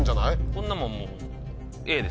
こんなもんもう。